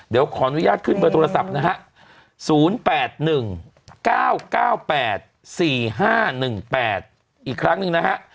เดี๋ยวขออนุญาตขึ้นเบอร์โทรศัพท์นะฮะ๐๘๑๙๙๘๔๕๑๘อีกครั้งหนึ่งนะฮะ